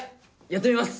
やってみます！